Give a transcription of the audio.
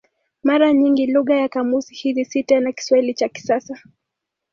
Mara nyingi lugha ya kamusi hizi si tena Kiswahili cha kisasa.